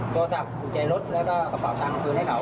กุญแจรถแล้วก็กระเป๋าตังค์คืนให้เขา